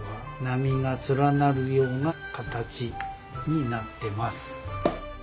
波が連なるような形になってます。